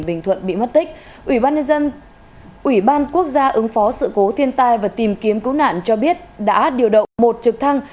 bị mất tích ủy ban quốc gia ứng phó sự cố thiên tai và tìm kiếm cứu nạn cho biết đã điều động một trực thăng